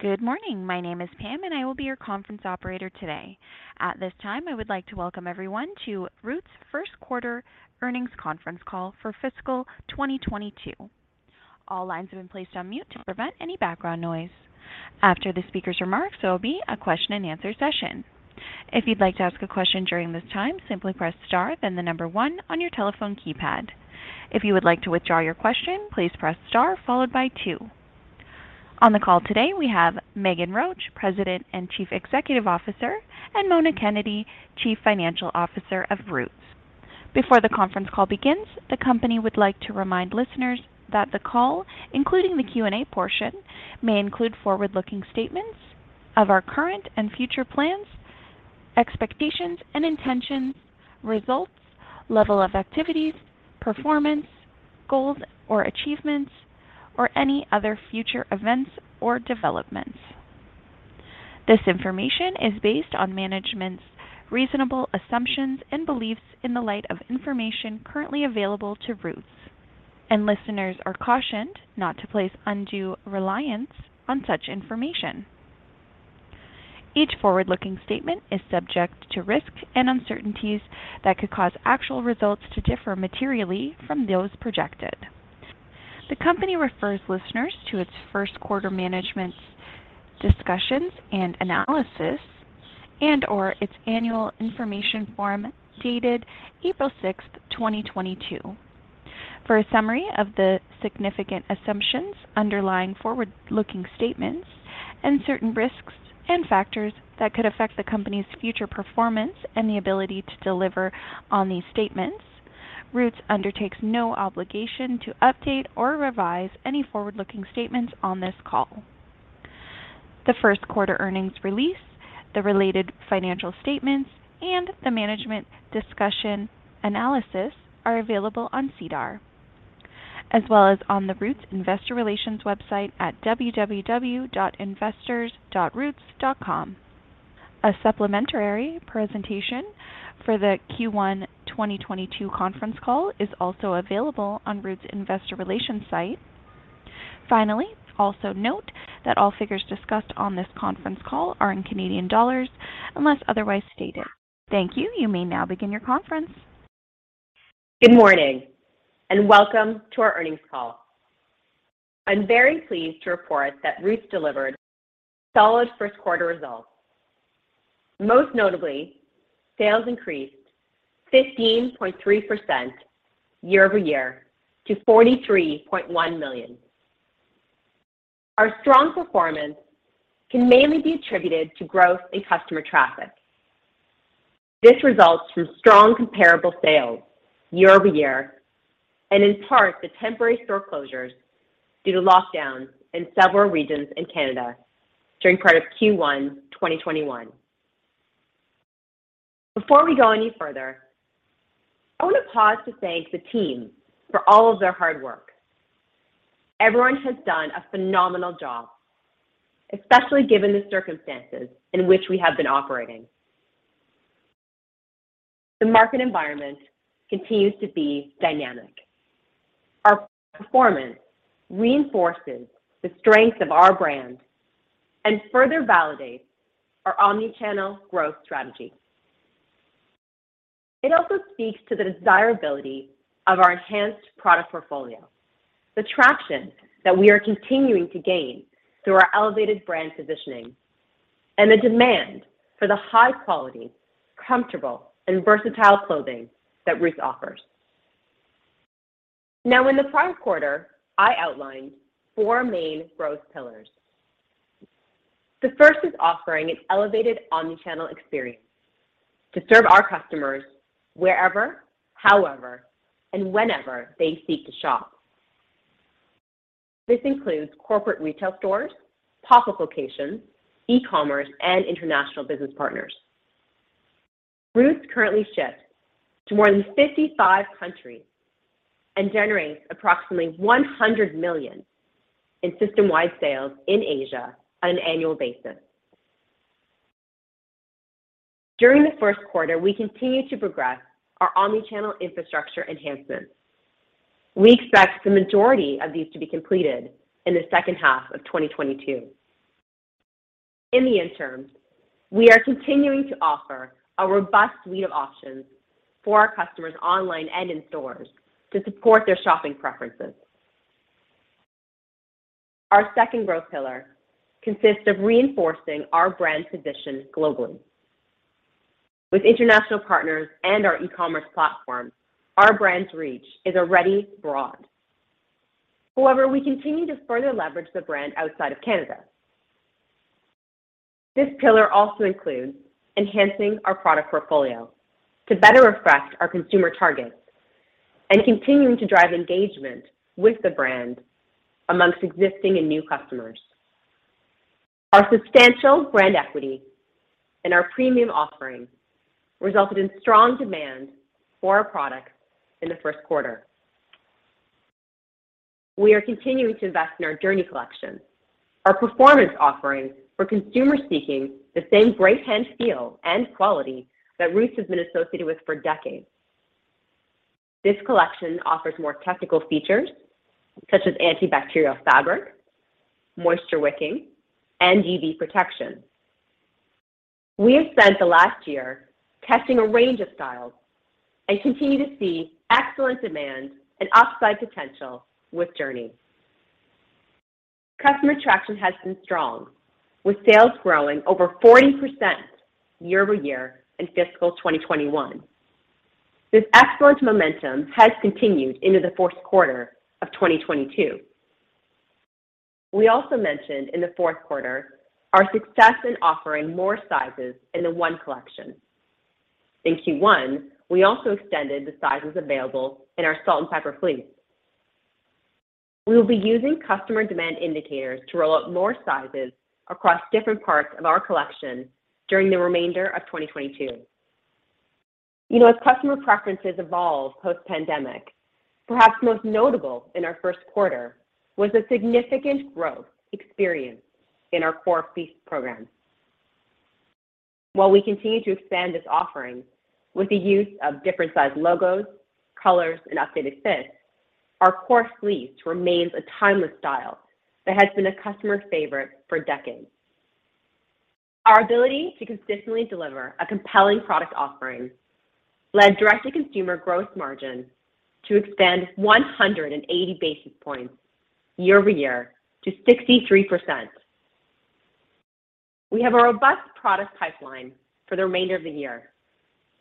Good morning. My name is Pam, and I will be your conference operator today. At this time, I would like to welcome everyone to Roots' first quarter earnings conference call for fiscal 2022. All lines have been placed on mute to prevent any background noise. After the speaker's remarks, there will be a question-and-answer session. If you'd like to ask a question during this time, simply press star then the number one on your telephone keypad. If you would like to withdraw your question, please press star followed by two. On the call today, we have Meghan Roach, President and Chief Executive Officer, and Mona Kennedy, Chief Financial Officer of Roots. Before the conference call begins, the company would like to remind listeners that the call, including the Q&A portion, may include forward-looking statements of our current and future plans, expectations and intentions, results, level of activities, performance, goals or achievements or any other future events or developments. This information is based on management's reasonable assumptions and beliefs in the light of information currently available to Roots, and listeners are cautioned not to place undue reliance on such information. Each forward-looking statement is subject to risks and uncertainties that could cause actual results to differ materially from those projected. The company refers listeners to its first quarter management's discussion and analysis and/or its annual information form dated April 6, 2022, for a summary of the significant assumptions underlying forward-looking statements and certain risks and factors that could affect the company's future performance and the ability to deliver on these statements. Roots undertakes no obligation to update or revise any forward-looking statements on this call. The first quarter earnings release, the related financial statements, and the management discussion analysis are available on SEDAR, as well as on the Roots' Investor Relations website at investors.roots.com. A supplementary presentation for the Q1 2022 conference call is also available on Roots' Investor Relations site. Finally, also note that all figures discussed on this conference call are in Canadian dollars unless otherwise stated. Thank you. You may now begin your conference. Good morning and welcome to our earnings call. I'm very pleased to report that Roots delivered solid first quarter results. Most notably, sales increased 15.3% year-over-year to 43.1 million. Our strong performance can mainly be attributed to growth in customer traffic. This results from strong comparable sales year-over-year and in part the temporary store closures due to lockdowns in several regions in Canada during part of Q1 2021. Before we go any further, I want to pause to thank the team for all of their hard work. Everyone has done a phenomenal job, especially given the circumstances in which we have been operating. The market environment continues to be dynamic. Our performance reinforces the strength of our brand and further validates our omni-channel growth strategy. It also speaks to the desirability of our enhanced product portfolio, the traction that we are continuing to gain through our elevated brand positioning, and the demand for the high quality, comfortable, and versatile clothing that Roots offers. Now, in the prior quarter, I outlined four main growth pillars. The first is offering an elevated omni-channel experience to serve our customers wherever, however, and whenever they seek to shop. This includes corporate retail stores, pop-up locations, e-commerce, and international business partners. Roots currently ships to more than 55 countries and generates approximately 100 million in system-wide sales in Asia on an annual basis. During the first quarter, we continued to progress our omni-channel infrastructure enhancements. We expect the majority of these to be completed in the second half of 2022. In the interim, we are continuing to offer a robust suite of options for our customers online and in stores to support their shopping preferences. Our second growth pillar consists of reinforcing our brand position globally. With international partners and our e-commerce platform, our brand's reach is already broad. However, we continue to further leverage the brand outside of Canada. This pillar also includes enhancing our product portfolio to better reflect our consumer targets and continuing to drive engagement with the brand among existing and new customers. Our substantial brand equity and our premium offering resulted in strong demand for our products in the first quarter. We are continuing to invest in our Journey collection, our performance offering for consumers seeking the same right-hand feel and quality that Roots has been associated with for decades. This collection offers more technical features such as antibacterial fabric, moisture wicking, and UV protection. We have spent the last year testing a range of styles and continue to see excellent demand and upside potential with Journey. Customer traction has been strong, with sales growing over 40% year-over-year in fiscal 2021. This excellent momentum has continued into the fourth quarter of 2022. We also mentioned in the fourth quarter our success in offering more sizes in the One collection. In Q1, we also extended the sizes available in our Salt and Pepper fleece. We will be using customer demand indicators to roll out more sizes across different parts of our collection during the remainder of 2022. You know, as customer preferences evolve post-pandemic, perhaps most notable in our first quarter was the significant growth experienced in our Core Fleece program. While we continue to expand this offering with the use of different size logos, colors, and updated fits, our Core Fleece remains a timeless style that has been a customer favorite for decades. Our ability to consistently deliver a compelling product offering led direct-to-consumer growth margin to expand 180 basis points year-over-year to 63%. We have a robust product pipeline for the remainder of the year,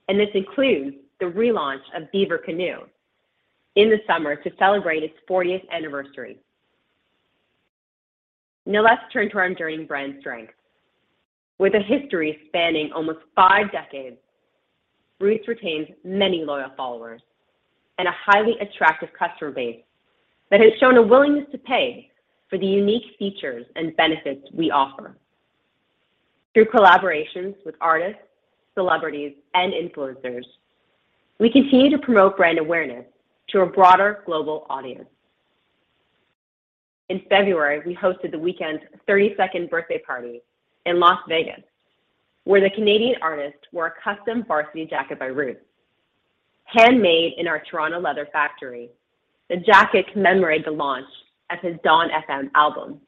and this includes the relaunch of Beaver Canoe in the summer to celebrate its 40th anniversary. Now let's turn to our enduring brand strength. With a history spanning almost five decades, Roots retains many loyal followers and a highly attractive customer base that has shown a willingness to pay for the unique features and benefits we offer. Through collaborations with artists, celebrities, and influencers, we continue to promote brand awareness to a broader global audience. In February, we hosted The Weeknd's 30th birthday party in Las Vegas, where the Canadian artist wore a custom varsity jacket by Roots. Handmade in our Toronto leather factory, the jacket commemorated the launch of his Dawn FM album.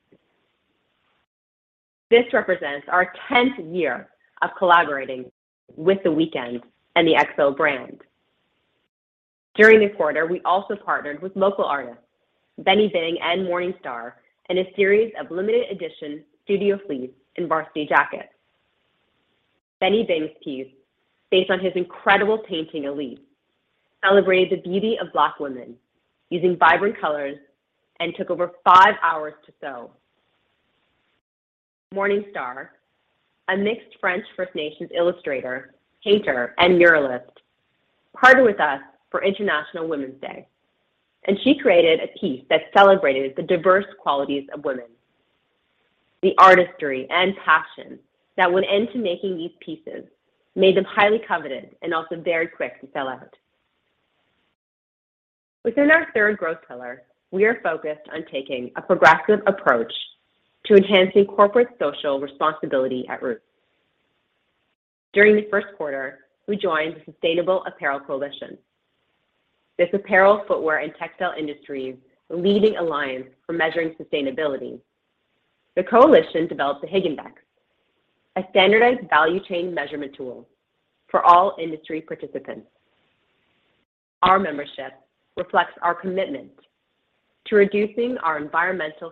This represents our 10th year of collaborating with The Weeknd and the XO brand. During the quarter, we also partnered with local artists Benny Bing and Morningstar in a series of limited edition studio fleece and varsity jackets. Benny Bing's piece, based on his incredible painting, Elite, celebrated the beauty of Black women using vibrant colors and took over five hours to sew. Morningstar, a mixed French First Nations illustrator, painter, and muralist, partnered with us for International Women's Day, and she created a piece that celebrated the diverse qualities of women. The artistry and passion that went into making these pieces made them highly coveted and also very quick to sell out. Within our third growth pillar, we are focused on taking a progressive approach to enhancing corporate social responsibility at Roots. During the first quarter, we joined the Sustainable Apparel Coalition. This apparel, footwear, and textile industry's leading alliance for measuring sustainability. The coalition developed the Higg Index, a standardized value chain measurement tool for all industry participants. Our membership reflects our commitment to reducing our environmental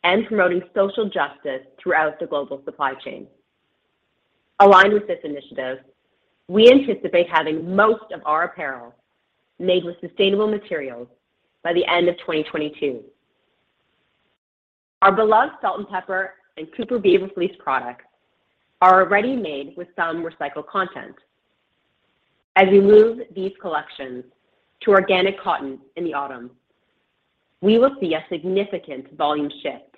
footprint and promoting social justice throughout the global supply chain. Aligned with this initiative, we anticipate having most of our apparel made with sustainable materials by the end of 2022. Our beloved Salt and Pepper and Cooper Beaver fleece products are already made with some recycled content. As we move these collections to organic cotton in the autumn, we will see a significant volume shift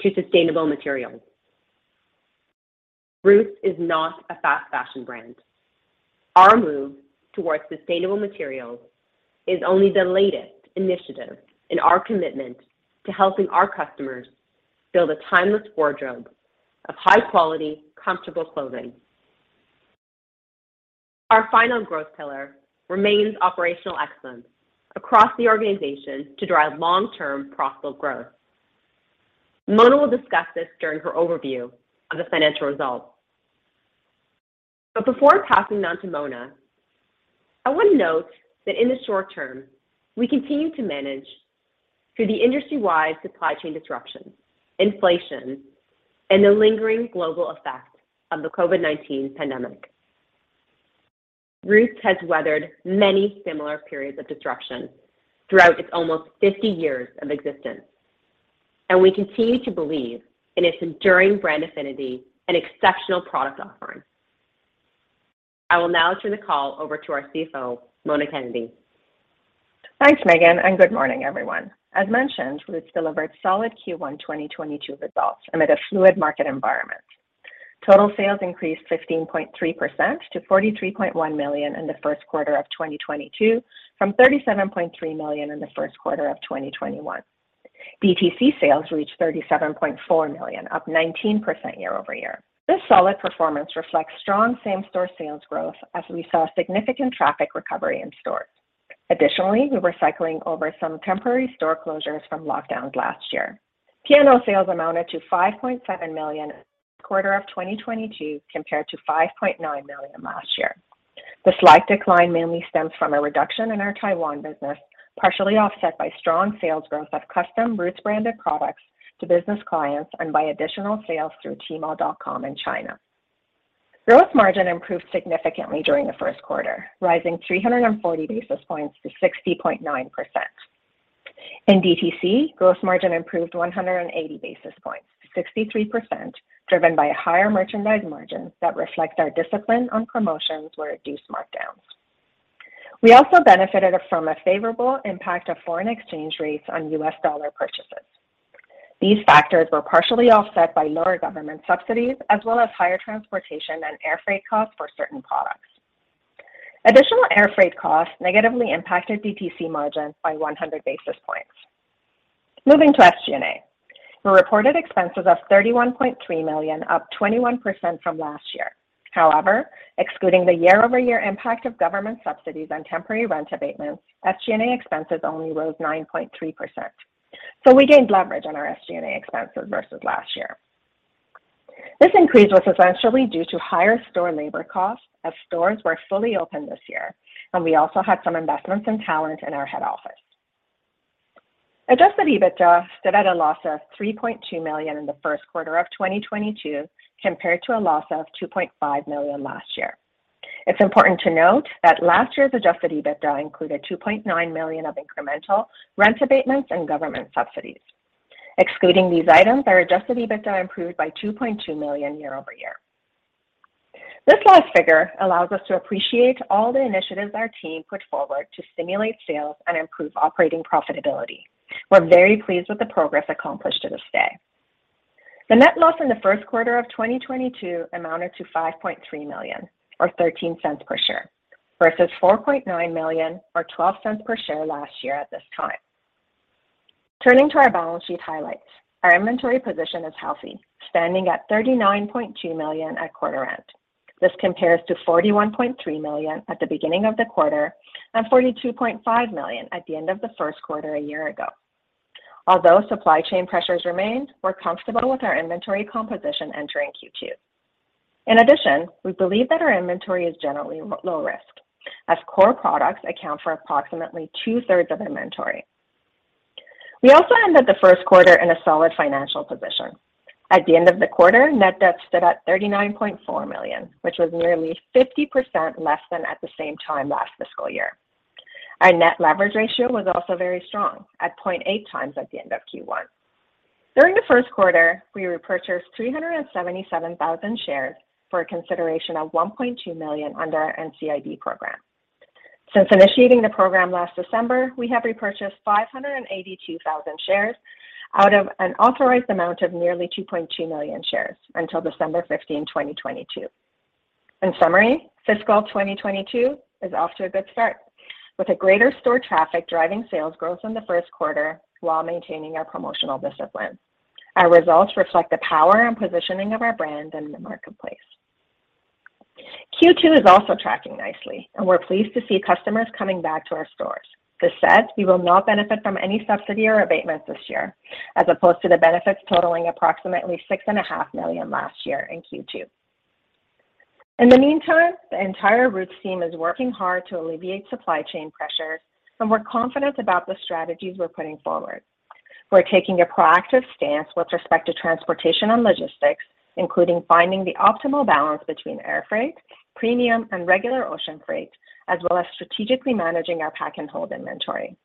to sustainable materials. Roots is not a fast fashion brand. Our move towards sustainable materials is only the latest initiative in our commitment to helping our customers build a timeless wardrobe of high-quality, comfortable clothing. Our final growth pillar remains operational excellence across the organization to drive long-term profitable growth. Mona will discuss this during her overview of the financial results. Before passing on to Mona, I want to note that in the short term, we continue to manage through the industry-wide supply chain disruptions, inflation, and the lingering global effects of the COVID-19 pandemic. Roots has weathered many similar periods of disruption throughout its almost 50 years of existence, and we continue to believe in its enduring brand affinity and exceptional product offerings. I will now turn the call over to our CFO, Mona Kennedy. Thanks, Meghan, and good morning, everyone. As mentioned, Roots delivered solid Q1 2022 results amid a fluid market environment. Total sales increased 15.3% to 43.1 million in the first quarter of 2022 from 37.3 million in the first quarter of 2021. DTC sales reached 37.4 million, up 19% year-over-year. This solid performance reflects strong same-store sales growth as we saw significant traffic recovery in stores. Additionally, we were cycling over some temporary store closures from lockdowns last year. P&O sales amounted to 5.7 million in the first quarter of 2022 compared to 5.9 million last year. The slight decline mainly stems from a reduction in our Taiwan business, partially offset by strong sales growth of custom Roots branded products to business clients and by additional sales through Tmall.com in China. Gross margin improved significantly during the first quarter, rising 340 basis points to 60.9%. In DTC, gross margin improved 180 basis points, 63%, driven by higher merchandise margins that reflect our discipline on promotions where it reduced markdowns. We also benefited from a favorable impact of foreign exchange rates on U.S. dollar purchases. These factors were partially offset by lower government subsidies as well as higher transportation and airfreight costs for certain products. Additional airfreight costs negatively impacted DTC margin by 100 basis points. Moving to SG&A, we reported expenses of 31.3 million, up 21% from last year. However, excluding the year-over-year impact of government subsidies and temporary rent abatements, SG&A expenses only rose 9.3%. We gained leverage on our SG&A expenses versus last year. This increase was essentially due to higher store labor costs as stores were fully open this year, and we also had some investments in talent in our head office. Adjusted EBITDA stood at a loss of 3.2 million in the first quarter of 2022 compared to a loss of 2.5 million last year. It's important to note that last year's adjusted EBITDA included 2.9 million of incremental rent abatements and government subsidies. Excluding these items, our adjusted EBITDA improved by 2.2 million year-over-year. This last figure allows us to appreciate all the initiatives our team put forward to stimulate sales and improve operating profitability. We're very pleased with the progress accomplished to this day. The net loss in the first quarter of 2022 amounted to 5.3 million or 0.13 per share versus 4.9 million or 0.12 per share last year at this time. Turning to our balance sheet highlights. Our inventory position is healthy, standing at 39.2 million at quarter end. This compares to 41.3 million at the beginning of the quarter and 42.5 million at the end of the first quarter a year ago. Although supply chain pressures remained, we're comfortable with our inventory composition entering Q2. In addition, we believe that our inventory is generally low risk as core products account for approximately two-thirds of inventory. We also ended the first quarter in a solid financial position. At the end of the quarter, net debt stood at 39.4 million, which was nearly 50% less than at the same time last fiscal year. Our net leverage ratio was also very strong at 0.8x at the end of Q1. During the first quarter, we repurchased 377,000 shares for a consideration of 1.2 million under our NCIB program. Since initiating the program last December, we have repurchased 582,000 shares out of an authorized amount of nearly 2.2 million shares until December 15, 2022. In summary, fiscal 2022 is off to a good start with a greater store traffic driving sales growth in the first quarter while maintaining our promotional discipline. Our results reflect the power and positioning of our brand in the marketplace. Q2 is also tracking nicely, and we're pleased to see customers coming back to our stores. This said, we will not benefit from any subsidy or abatement this year, as opposed to the benefits totaling approximately 6.5 million last year in Q2. In the meantime, the entire Roots team is working hard to alleviate supply chain pressures, and we're confident about the strategies we're putting forward. We're taking a proactive stance with respect to transportation and logistics, including finding the optimal balance between air freight, premium, and regular ocean freight, as well as strategically managing our pack and hold inventory.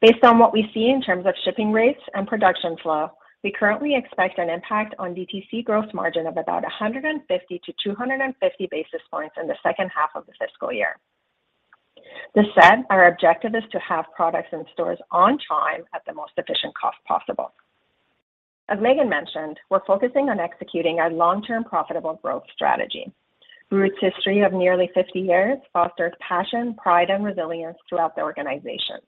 Based on what we see in terms of shipping rates and production flow, we currently expect an impact on DTC growth margin of about 150-250 basis points in the second half of the fiscal year. That said, our objective is to have products in stores on time at the most efficient cost possible. As Meghan mentioned, we're focusing on executing our long-term profitable growth strategy. Roots' history of nearly 50 years fosters passion, pride, and resilience throughout the organization.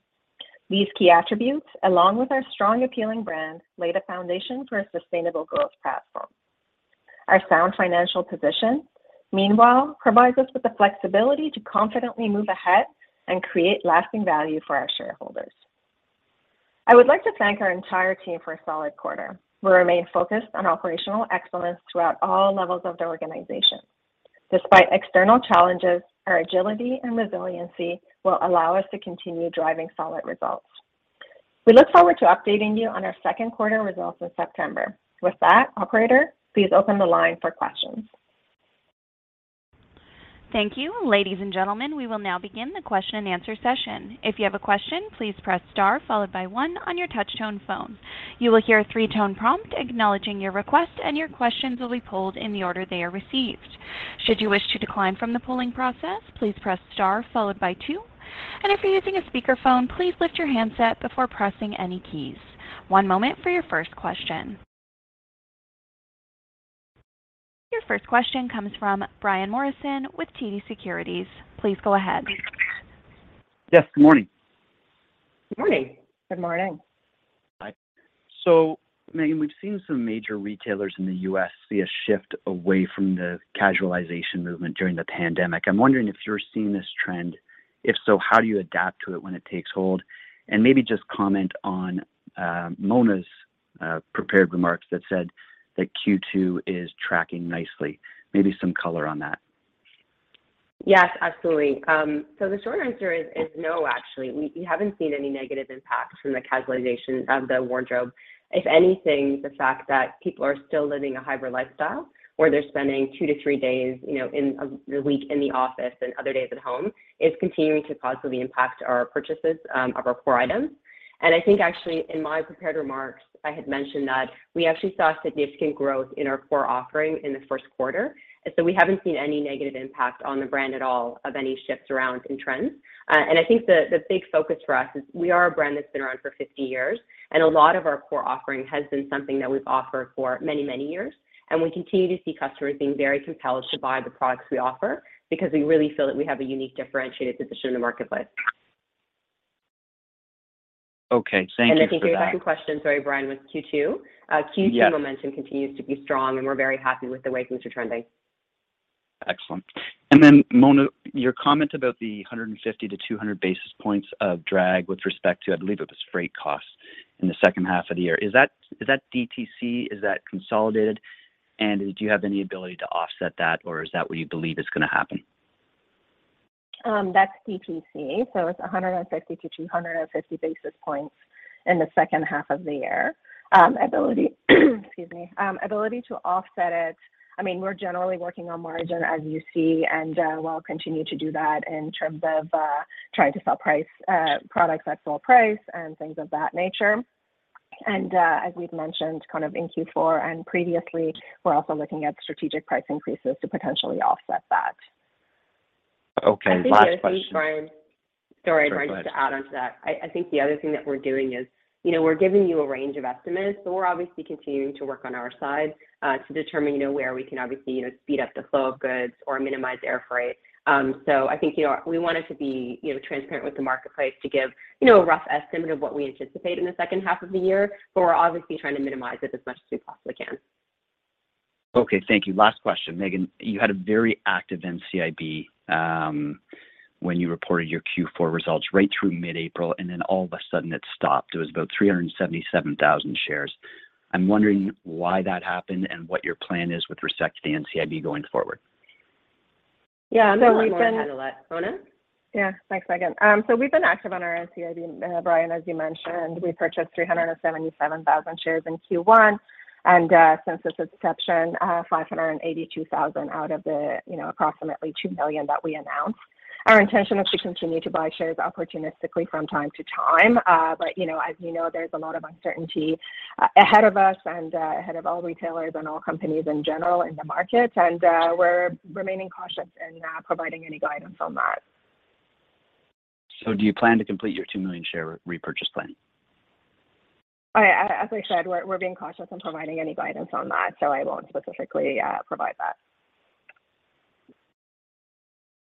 These key attributes, along with our strong, appealing brand, lay the foundation for a sustainable growth platform. Our sound financial position, meanwhile, provides us with the flexibility to confidently move ahead and create lasting value for our shareholders. I would like to thank our entire team for a solid quarter. We remain focused on operational excellence throughout all levels of the organization. Despite external challenges, our agility and resiliency will allow us to continue driving solid results. We look forward to updating you on our second quarter results in September. With that, operator, please open the line for questions. Thank you. Ladies and gentlemen, we will now begin the question-and-answer session. If you have a question, please press star followed by one on your touchtone phone. You will hear a three-tone prompt acknowledging your request, and your questions will be pulled in the order they are received. Should you wish to decline from the polling process, please press star followed by two. If you're using a speakerphone, please lift your handset before pressing any keys. One moment for your first question. Your first question comes from Brian Morrison with TD Securities. Please go ahead. Yes, good morning. Good morning. Good morning. Hi. Meghan, we've seen some major retailers in the U.S. see a shift away from the casualization movement during the pandemic. I'm wondering if you're seeing this trend. If so, how do you adapt to it when it takes hold? Maybe just comment on Mona's prepared remarks that said that Q2 is tracking nicely. Maybe some color on that. Yes, absolutely. The short answer is no actually. We haven't seen any negative impact from the casualization of the wardrobe. If anything, the fact that people are still living a hybrid lifestyle, where they're spending two to three days, you know, in a week in the office and other days at home, is continuing to positively impact our purchases of our core items. I think actually in my prepared remarks, I had mentioned that we actually saw significant growth in our core offering in the first quarter. We haven't seen any negative impact on the brand at all of any shifts around in trends. I think the big focus for us is we are a brand that's been around for 50 years, and a lot of our core offering has been something that we've offered for many, many years. We continue to see customers being very compelled to buy the products we offer because we really feel that we have a unique differentiated position in the marketplace. Okay, thank you for that. I think you had a question, sorry Brian, with Q2. Yeah Momentum continues to be strong, and we're very happy with the way things are trending. Excellent. Then Mona, your comment about the 150-200 basis points of drag with respect to, I believe it was freight costs in the second half of the year. Is that DTC? Is that consolidated? Do you have any ability to offset that, or is that what you believe is gonna happen? That's DTC, so it's 150-250 basis points in the second half of the year. Ability to offset it, I mean, we're generally working on margin as you see and we'll continue to do that in terms of trying to full-price products at full price and things of that nature. As we've mentioned kind of in Q4 and previously, we're also looking at strategic price increases to potentially offset that. Okay, last question. I think the other thing, Brian. Sorry, I just wanted to add onto that. I think the other thing that we're doing is, you know, we're giving you a range of estimates, but we're obviously continuing to work on our side, to determine, you know, where we can obviously, you know, speed up the flow of goods or minimize air freight. I think, you know, we wanted to be, you know, transparent with the marketplace to give, you know, a rough estimate of what we anticipate in the second half of the year, but we're obviously trying to minimize it as much as we possibly can. Okay, thank you. Last question. Meghan, you had a very active NCIB when you reported your Q4 results right through mid-April, and then all of a sudden it stopped. It was about 377,000 shares. I'm wondering why that happened and what your plan is with respect to the NCIB going forward? Yeah, I know we've been. One more and then I'll let Mona. Yeah. Thanks, Meghan. So we've been active on our NCIB, Brian, as you mentioned. We purchased 377,000 shares in Q1, and since its inception, 582,000 out of the, you know, approximately 2 million that we announced. Our intention is to continue to buy shares opportunistically from time to time. But, you know, as you know, there's a lot of uncertainty ahead of us and ahead of all retailers and all companies in general in the market. We're remaining cautious in providing any guidance on that. Do you plan to complete your 2 million share repurchase plan? I, as I said, we're being cautious in providing any guidance on that, so I won't specifically provide that.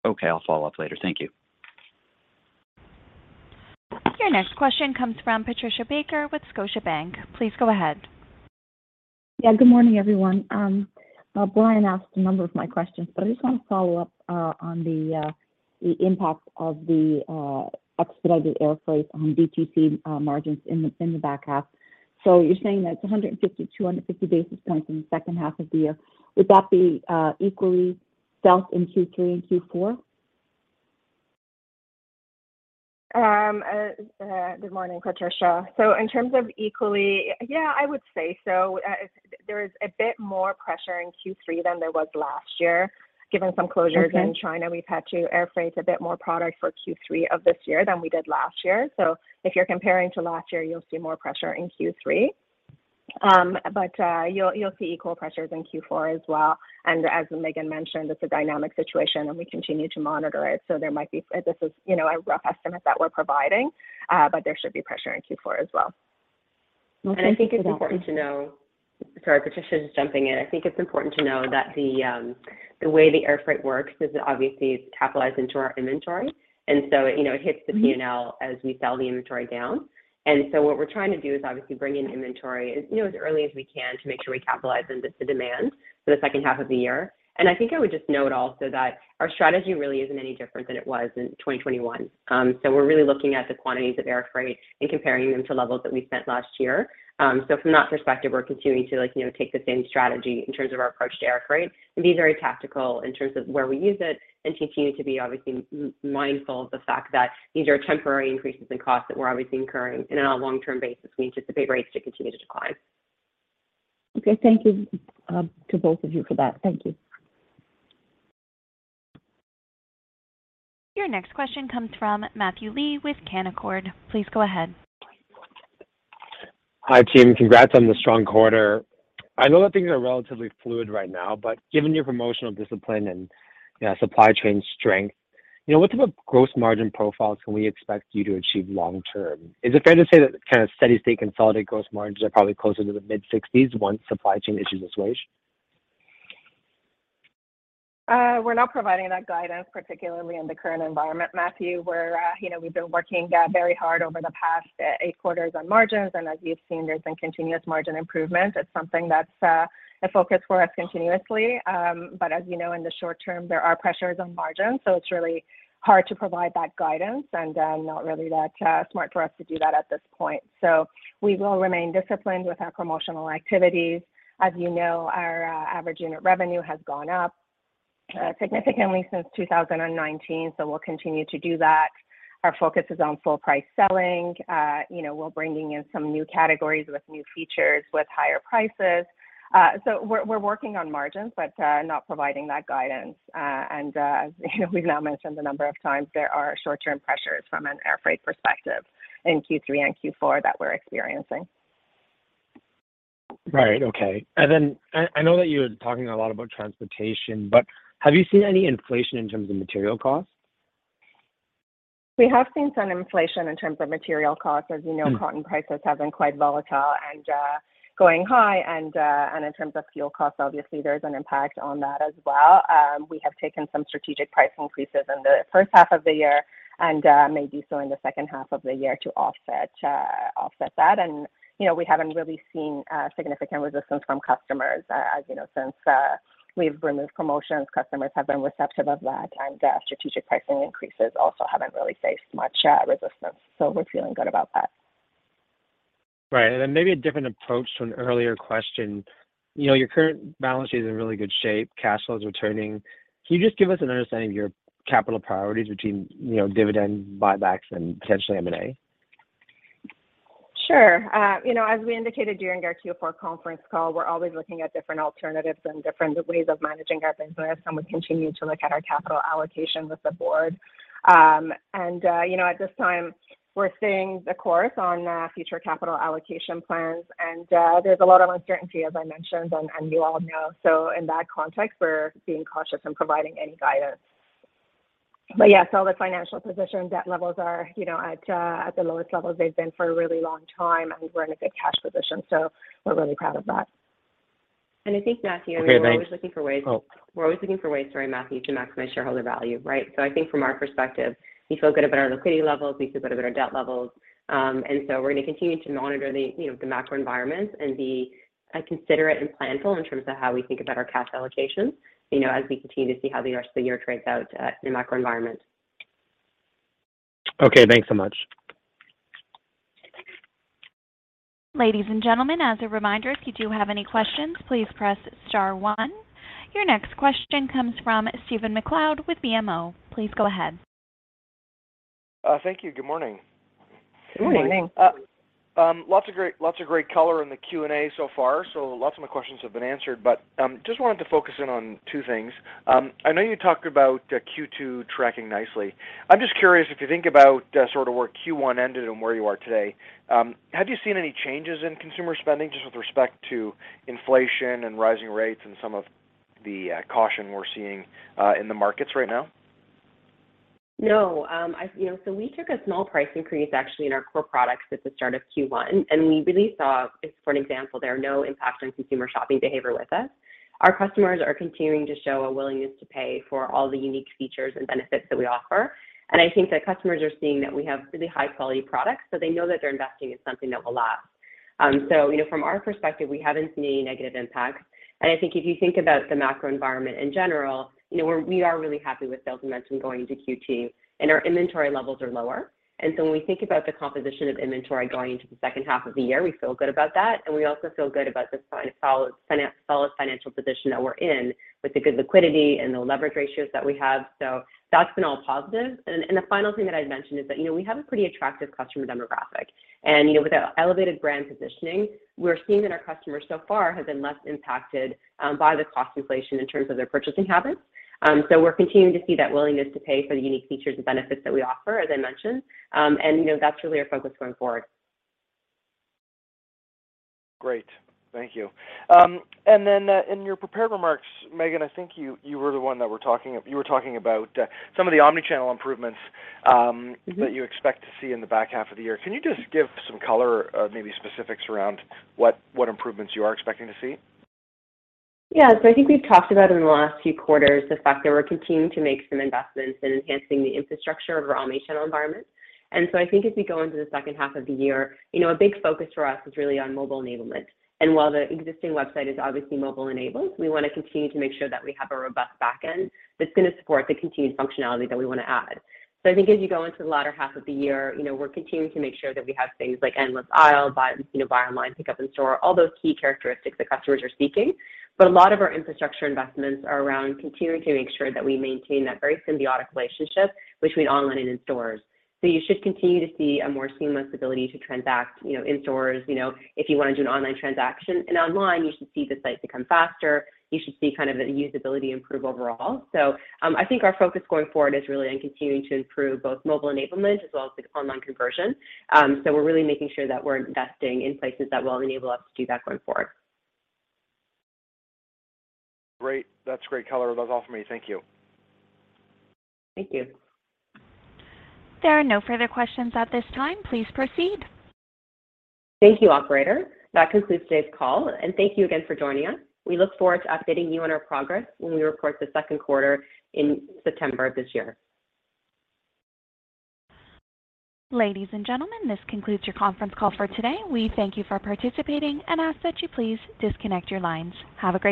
Okay, I'll follow up later. Thank you. Your next question comes from Patricia Baker with Scotiabank. Please go ahead. Yeah, good morning, everyone. Brian asked a number of my questions, but I just wanna follow up on the impact of the expedited air freight on DTC margins in the back half. You're saying that it's 150-250 basis points in the second half of the year. Would that be equally felt in Q3 and Q4? Good morning, Patricia. In terms of equity, yeah, I would say so. There is a bit more pressure in Q3 than there was last year. Given some closures. Okay In China, we've had to air freight a bit more product for Q3 of this year than we did last year. If you're comparing to last year, you'll see more pressure in Q3. You'll see equal pressures in Q4 as well. As Meghan mentioned, it's a dynamic situation and we continue to monitor it. There might be. This is, you know, a rough estimate that we're providing, but there should be pressure in Q4 as well. Okay. Thank you. I think it's important to know. Sorry, Patricia, just jumping in. I think it's important to know that the way the air freight works is it obviously is capitalized into our inventory, and so, you know, it hits the P&L as we sell the inventory down. What we're trying to do is obviously bring in inventory as, you know, as early as we can to make sure we capitalize and meet the demand for the second half of the year. I think I would just note also that our strategy really isn't any different than it was in 2021. We're really looking at the quantities of air freight and comparing them to levels that we spent last year. From that perspective, we're continuing to, like you know, take the same strategy in terms of our approach to air freight and be very tactical in terms of where we use it and continue to be obviously mindful of the fact that these are temporary increases in cost that we're obviously incurring, and on a long-term basis, we anticipate rates to continue to decline. Okay, thank you, to both of you for that. Thank you. Your next question comes from Matthew Lee with Canaccord Genuity. Please go ahead. Hi, team. Congrats on the strong quarter. I know that things are relatively fluid right now, but given your promotional discipline and, you know, supply chain strength. You know, what type of gross margin profiles can we expect you to achieve long term? Is it fair to say that the kinda steady-state consolidated gross margins are probably closer to the mid-60s% once supply chain issues abate? We're not providing that guidance, particularly in the current environment, Matthew, where you know we've been working very hard over the past 8 quarters on margins. As you've seen, there's been continuous margin improvement. It's something that's a focus for us continuously. As you know, in the short term, there are pressures on margins, so it's really hard to provide that guidance and not really that smart for us to do that at this point. We will remain disciplined with our promotional activities. As you know, our average unit revenue has gone up significantly since 2019, so we'll continue to do that. Our focus is on full-price selling. You know, we're bringing in some new categories with new features with higher prices. We're working on margins, but not providing that guidance. We've now mentioned the number of times there are short-term pressures from an air freight perspective in Q3 and Q4 that we're experiencing. Right. Okay. I know that you were talking a lot about transportation, but have you seen any inflation in terms of material costs? We have seen some inflation in terms of material costs. As you know, cotton prices have been quite volatile and going high. In terms of fuel costs, obviously there's an impact on that as well. We have taken some strategic price increases in the first half of the year and maybe so in the second half of the year to offset that. You know, we haven't really seen significant resistance from customers. As you know, since we've removed promotions, customers have been receptive of that. Strategic pricing increases also haven't really faced much resistance, so we're feeling good about that. Right. Maybe a different approach to an earlier question. You know, your current balance sheet is in really good shape, cash flows returning. Can you just give us an understanding of your capital priorities between, you know, dividend buybacks and potentially M&A? Sure. You know, as we indicated during our Q4 conference call, we're always looking at different alternatives and different ways of managing our business, and we continue to look at our capital allocation with the board. You know, at this time we're staying the course on future capital allocation plans. There's a lot of uncertainty, as I mentioned, and you all know. In that context, we're being cautious in providing any guidance. Yes, all the financial position, debt levels are, you know, at the lowest levels they've been for a really long time, and we're in a good cash position, so we're really proud of that. I think, Matthew- Okay, thanks. We're always looking for ways. Oh. We're always looking for ways, sorry, Matthew, to maximize shareholder value, right? I think from our perspective, we feel good about our liquidity levels. We feel good about our debt levels. We're gonna continue to monitor the, you know, the macro environment and be considerate and planful in terms of how we think about our cash allocations, you know, as we continue to see how the rest of the year trades out in the macro environment. Okay, thanks so much. Ladies and gentlemen, as a reminder, if you do have any questions, please press star one. Your next question comes from Stephen MacLeod with BMO. Please go ahead. Thank you. Good morning. Good morning. Morning. Lots of great color in the Q&A so far. Lots of my questions have been answered, but just wanted to focus in on two things. I know you talked about Q2 tracking nicely. I'm just curious if you think about sort of where Q1 ended and where you are today, have you seen any changes in consumer spending, just with respect to inflation and rising rates and some of the caution we're seeing in the markets right now? No. You know, we took a small price increase actually in our core products at the start of Q1, and we really saw, just for an example there, no impact on consumer shopping behavior with us. Our customers are continuing to show a willingness to pay for all the unique features and benefits that we offer, and I think that customers are seeing that we have really high-quality products, so they know that they're investing in something that will last. You know, from our perspective, we haven't seen any negative impact. I think if you think about the macro environment in general, you know, we are really happy with sales momentum going into Q2, and our inventory levels are lower. When we think about the composition of inventory going into the second half of the year, we feel good about that, and we also feel good about the solid financial position that we're in with the good liquidity and the leverage ratios that we have. That's been all positive. The final thing that I'd mention is that, you know, we have a pretty attractive customer demographic. You know, with the elevated brand positioning, we're seeing that our customers so far have been less impacted by the cost inflation in terms of their purchasing habits. We're continuing to see that willingness to pay for the unique features and benefits that we offer, as I mentioned. You know, that's really our focus going forward. Great. Thank you. In your prepared remarks, Meghan, I think you were talking about some of the omni-channel improvements. Mm-hmm. that you expect to see in the back half of the year. Can you just give some color, maybe specifics around what improvements you are expecting to see? Yeah. I think we've talked about in the last few quarters the fact that we're continuing to make some investments in enhancing the infrastructure of our omni-channel environment. I think as we go into the second half of the year, you know, a big focus for us is really on mobile enablement. While the existing website is obviously mobile enabled, we wanna continue to make sure that we have a robust back end that's gonna support the continued functionality that we wanna add. I think as you go into the latter half of the year, you know, we're continuing to make sure that we have things like endless aisle, buy online, pick up in store, all those key characteristics that customers are seeking. A lot of our infrastructure investments are around continuing to make sure that we maintain that very symbiotic relationship between online and in stores. You should continue to see a more seamless ability to transact, you know, in stores, you know, if you wanna do an online transaction. Online, you should see the site become faster. You should see kind of the usability improve overall. I think our focus going forward is really on continuing to improve both mobile enablement as well as the online conversion. We're really making sure that we're investing in places that will enable us to do that going forward. Great. That's great color. That's all for me. Thank you. Thank you. There are no further questions at this time. Please proceed. Thank you, operator. That concludes today's call, and thank you again for joining us. We look forward to updating you on our progress when we report the second quarter in September of this year. Ladies and gentlemen, this concludes your conference call for today. We thank you for participating and ask that you please disconnect your lines. Have a good day.